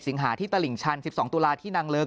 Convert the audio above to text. ๑๑สิงหาที่ตลิงชัน๑๒ตุลาที่นังเลิง